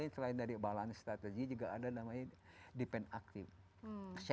selain dari balance strategy juga ada namanya depend active